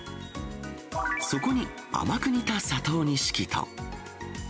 そこに甘く煮た佐藤錦と。